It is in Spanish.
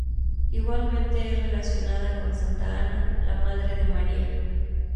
Igualmente es relacionada con Santa Ana, la madre de María.